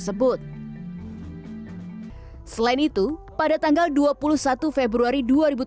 selain itu pada tanggal dua puluh satu februari dua ribu tujuh belas